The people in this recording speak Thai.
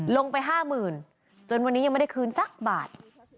ลงไปห้าหมื่นจนวันนี้ยังไม่ได้คืนสักบาท